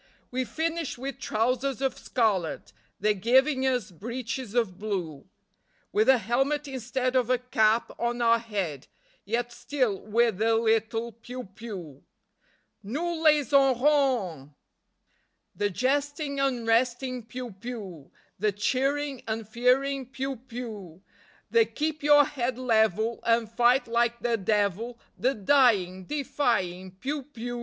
We've finished with trousers of scarlet, They're giving us breeches of blue, With a helmet instead of a cap on our head, Yet still we're the little piou piou. Nous les aurons! The jesting, unresting piou piou; The cheering, unfearing piou piou; The keep your head level and fight like the devil; The dying, defying piou piou.